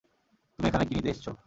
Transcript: তুমি এখানে কি নিতে এসছো?